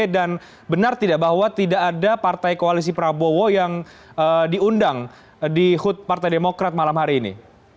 dan benar tidak bahwa tidak ada partai koalisi prabowo yang diundang di hut partai demokrat malam hari ini